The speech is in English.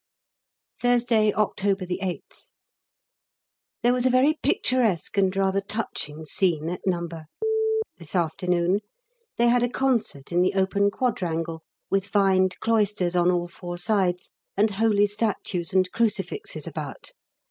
Thursday, October 8th. There was a very picturesque and rather touching scene at No. this afternoon. They had a concert in the open quadrangle, with vined cloisters on all four sides, and holy statues and crucifixes about.